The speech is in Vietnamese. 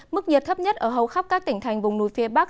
mức nhiệt thấp nhất ở hầu khắp các tỉnh thành vùng núi phía bắc